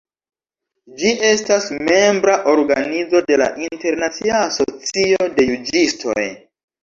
Ĝi estas membra organizo de la Internacia Asocio de Juĝistoj.